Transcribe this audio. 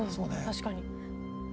確かに。